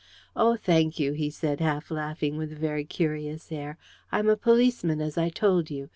"Oh, thank you," he said, half laughing, with a very curious air. "I'm a policeman, as I told you.